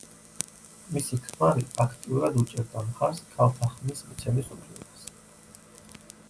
მისი ქმარი აქტიურად უჭერდა მხარს ქალთა ხმის მიცემის უფლებას.